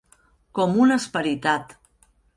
Com un esperitat.